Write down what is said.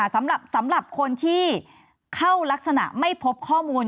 สำหรับคนที่เข้ารักษณะไม่พบข้อมูล